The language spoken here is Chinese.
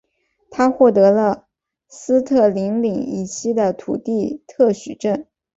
他获得了斯特林岭以西的土地特许状。